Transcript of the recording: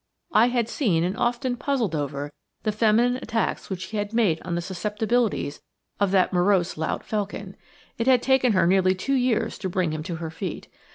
I had seen, and often puzzled over, the feminine attacks which she had made on the susceptibilities of that morose lout Felkin. It had taken her nearly two years to bring him to her feet.